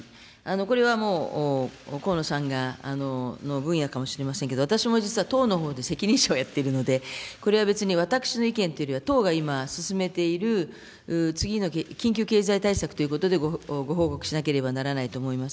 これはもう、河野さんの分野かもしれませんけど、私も実は党のほうで責任者をやっているので、これは別に私の意見というよりは、党が今進めている、次の緊急経済対策ということでご報告しなければならないと思います。